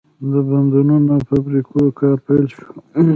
د بندونو او فابریکو کار پیل شو.